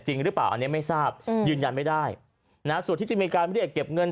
จริงหรือเปล่าอันนี้ไม่ทราบยืนยันไม่ได้นะส่วนที่จะมีการเรียกเก็บเงิน